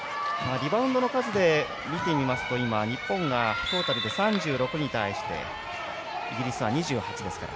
リバウンドの数で見てみますと日本がトータルで３６に対してイギリスは２８ですから。